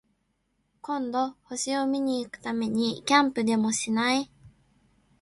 今度、星を見に行くためにキャンプでもしない？